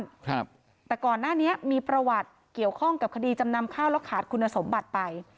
ครับแต่ก่อนหน้านี้มีประวัติเกี่ยวข้องกับคดีจำนำข้าวแล้วขาดคุณสมบัติไป